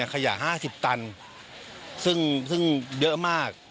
ขยะ๕๐ตันซึ่งเยอะมาก